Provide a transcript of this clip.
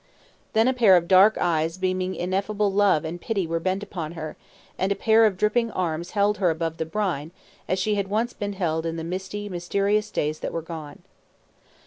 Then a pair of dark eyes beaming ineffable love and pity were bent upon her, and a pair of dripping arms held her above the brine as she had once been held in the misty mysterious days that were gone.